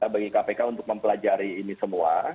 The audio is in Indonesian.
bagi kpk untuk mempelajari ini semua